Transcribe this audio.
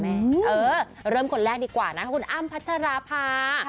เจ้าคนนี้เริ่มคนแรกดีกว่าคุณอั้มพัชราพา